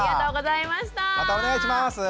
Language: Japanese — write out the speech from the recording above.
またお願いします。